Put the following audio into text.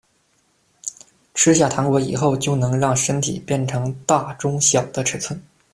吃下糖果以后就能让身体变成大・中・小的尺寸。